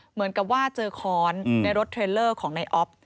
เหมือนกับว่าเจอค้อนในรถเทรลเลอร์ของในออฟ